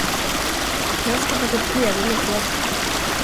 Jag har skaffat ett hederligt jobb.